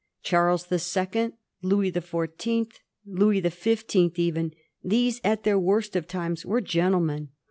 Charles the Second, Louis the Fourteenth, Louis the Fif teenth even — these at their worst of times were gentle men.